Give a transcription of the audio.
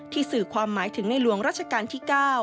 สื่อความหมายถึงในหลวงราชการที่๙